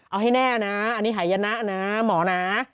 เอาให้แน่นะอันนี้หายนะนะหมอนะ